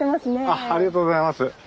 ありがとうございます。